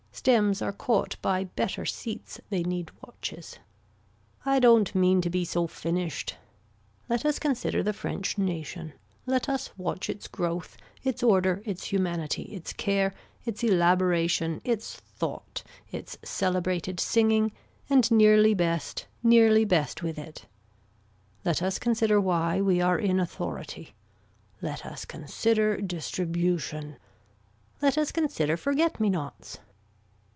Stems are caught by better seats they need watches. I don't mean to be so finished. Let us consider the french nation, let us watch its growth its order its humanity its care, its elaboration its thought its celebrated singing and nearly best nearly best with it. Let us consider why we are in authority, let us consider distribution, let us consider forget me nots.